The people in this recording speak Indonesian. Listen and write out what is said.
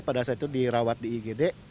pada saat itu dirawat di igd